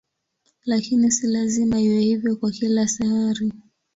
Lakini si lazima iwe hivyo kwa kila sayari.